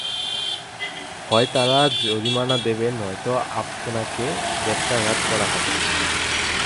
হয় তারা জরিমানা দেবে নয়তো আপনাকে বেত্রাঘাত করা হবে।